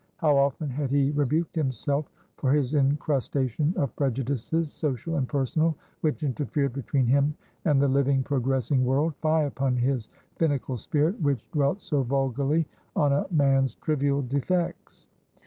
How often had he rebuked himself for his incrustation of prejudices, social and personal, which interfered between him and the living, progressing world! Fie upon his finical spirit, which dwelt so vulgarly on a man's trivial defects!